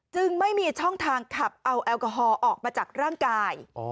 ไม่มีช่องทางขับเอาแอลกอฮอล์ออกมาจากร่างกาย